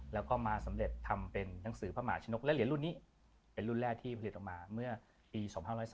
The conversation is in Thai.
แล้วก็มาสำเร็จทำเป็นหนังสือพระมหาชนกและเหรียญรุ่นนี้เป็นรุ่นแรกที่ผลิตออกมาเมื่อปี๒๕๓